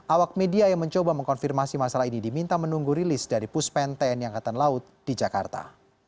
awak media yang mencoba mengkonfirmasi masalah ini diminta menunggu rilis dari puspen tni angkatan laut di jakarta